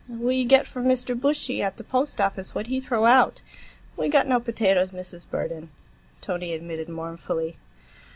"We get from Mr. Bushy, at the post office,—what he throw out. We got no potatoes, Mrs. Burden," Tony admitted mournfully.